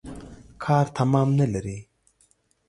کار تمام نلري.